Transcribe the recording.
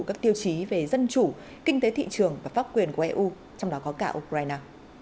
các tiêu chí về dân chủ kinh tế thị trường và pháp quyền của eu trong đó có cả ukraine